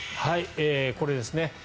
これですね。